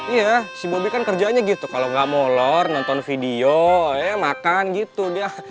iya si bobby kan kerjaannya gitu kalo ga mau olor nonton video makan gitu dia